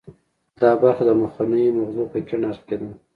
دا برخه د مخنیو مغزو په کیڼ اړخ کې ده